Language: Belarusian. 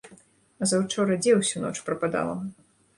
А заўчора дзе ўсю ноч прападала?